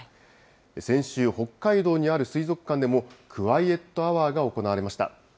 先週、北海道にある水族館でも、クワイエットアワーが行われました。